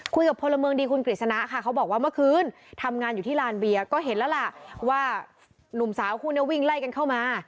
พลเมืองดีคุณกฤษณะค่ะเขาบอกว่าเมื่อคืนทำงานอยู่ที่ลานเบียร์ก็เห็นแล้วล่ะว่าหนุ่มสาวคู่นี้วิ่งไล่กันเข้ามา